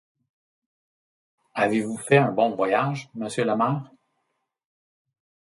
Avez-vous fait un bon voyage, monsieur le maire ?